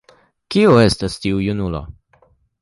Kiu estas tiu junulo?